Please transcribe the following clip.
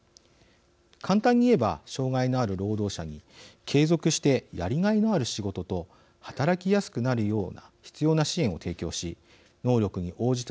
簡単に言えば障害のある労働者に継続してやりがいのある仕事と働きやすくなるような必要な支援を提供し能力に応じた処遇やポストを用意するということです。